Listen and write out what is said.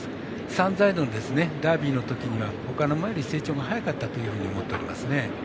３歳のダービーのとき、ほかの馬より成長が早かったと思っておりますね。